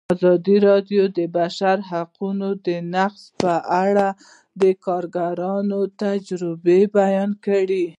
ازادي راډیو د د بشري حقونو نقض په اړه د کارګرانو تجربې بیان کړي.